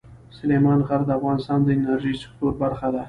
سلیمان غر د افغانستان د انرژۍ سکتور برخه ده.